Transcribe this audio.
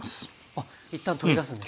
あっ一旦取り出すんですね。